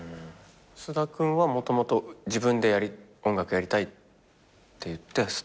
菅田君はもともと自分で音楽やりたいっていって始めてる？